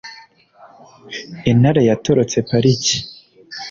Intare yatorotse pariki